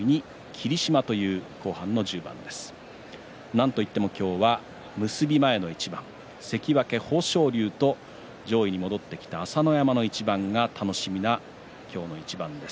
なんといっても今日は結び前の一番関脇豊昇龍と上位に戻ってきた朝乃山の一番が楽しみです。